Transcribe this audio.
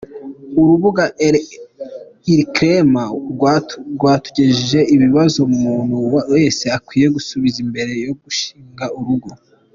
urubuga Elcrema rwatugejejeho ibibazo umuntu wese akwiye gusubiza mbere yo gushing urugo.